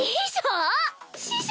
「師匠」